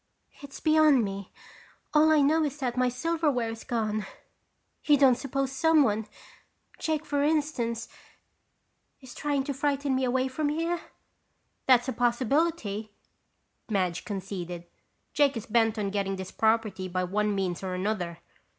"It's beyond me. All I know is that my silverware is gone. You don't suppose someone—Jake for instance, is trying to frighten me away from here?" "That's a possibility," Madge conceded. "Jake is bent on getting this property by one means or another.